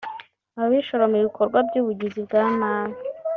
abishora mu bikorwa by’ubugizi bwa nabi